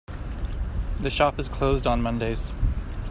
The shop is closed on mondays.